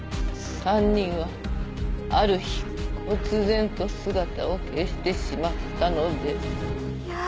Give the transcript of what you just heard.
３人はある日忽然と姿を消してしまったのです。